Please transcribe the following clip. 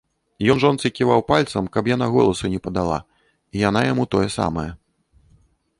Ён жонцы ківаў пальцам, каб яна голасу не падала, і яна яму тое самае.